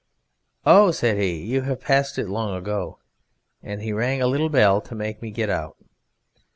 'Oh,' said he, 'you have passed it long ago,' and he rang a little bell to make me get out.